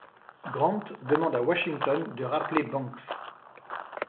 Grant demande à Washington de rappeler Banks.